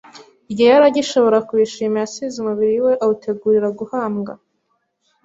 igihe yari agishobora kubishima, yasize umubiri we awutegurira guhambwa